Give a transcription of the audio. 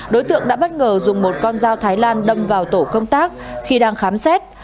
đối tượng đã bất ngờ dùng một con dao thái lan đâm vào tổ công tác khi đang khám xét